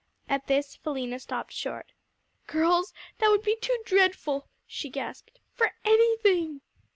At this, Philena stopped short. "Girls, that would be too dreadful," she gasped, "for anything!"